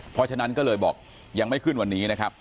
เพราะฉะนั้นก็เลยบอกยังไม่ขึ้นวันนี้นะครับ